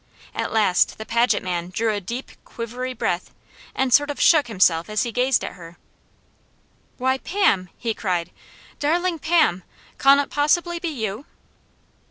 At last the Paget man drew a deep, quivery breath and sort of shook himself as he gazed at her. "Why, Pam!" he cried. "Darling Pam, cawn it possibly be you?"